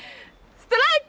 ストライク！